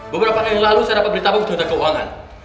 beberapa hari yang lalu saya dapat beli tabung untuk hantar keuangan